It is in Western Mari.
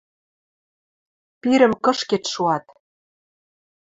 Пирӹм кышкед шуат.